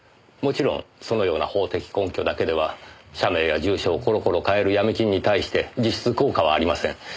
もちろんそのような法的根拠だけでは社名や住所をコロコロ変えるヤミ金に対して実質効果はありません。